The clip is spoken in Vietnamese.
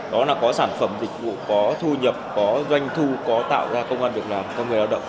đó là có sản phẩm dịch vụ có thu nhập có doanh thu có tạo ra công an việc làm cho người lao động